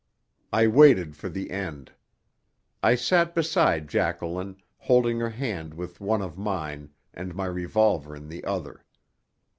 I waited for the end. I sat beside Jacqueline, holding her hand with one of mine, and my revolver in the other.